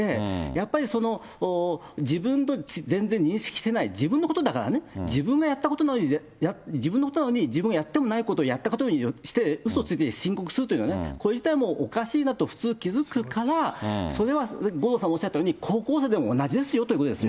やっぱりその自分と全然認識してない、自分のことだからね、自分がやったこと、自分のことのように自分はやってもないことをやったことにしてうそついて申告するというのは、これ自体もうおかしいなと普通気付くから、それは五郎さんおっしゃったように、高校生でも同じですよということです。